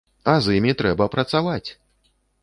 А з імі трэба працаваць!